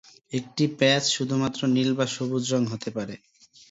একটি প্যাচ শুধুমাত্র নীল বা সবুজ রং হতে পারে।